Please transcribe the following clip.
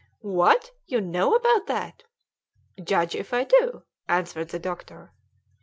"What! you know about that?" "Judge if I do," answered the doctor.